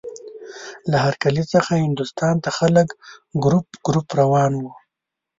له هر کلي څخه هندوستان ته خلک ګروپ ګروپ روان وو.